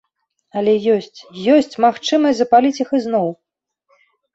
Але ёсць, ёсць магчымасць запаліць іх ізноў!